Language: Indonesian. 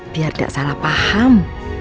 biar nggak salah paham